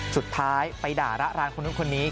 สุดท้ายไปด่าระรานคนนู้นคนนี้